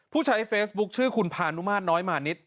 ผู้ใช้เฟซบุ๊คชื่อคุณพานุมาตรน้อยมานิด